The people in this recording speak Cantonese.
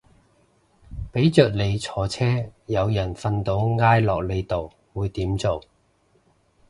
俾着你坐車有人瞓到挨落你度會點做